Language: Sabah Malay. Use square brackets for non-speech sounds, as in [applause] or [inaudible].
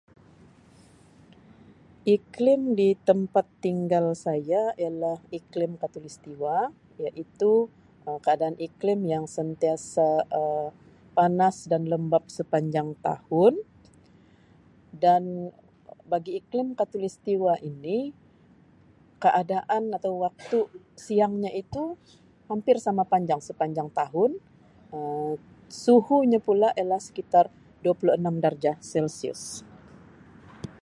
Iklim di tempat tinggal saya ialah iklim Khatalustiwa iaitu Um keadaan iklim yang sentiasa Um panas dan lembab sepanjang tahun dan bagi iklim khatalustiwa ini keadaan [noise] atau waktu siang nya itu hampir sama panjang sepanjang tahun Um suhunya pula ialah sekitar dua puluh enam darjah celsius.